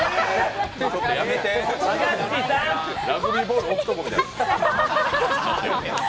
やめて、ラグビーボール置くとこみたい。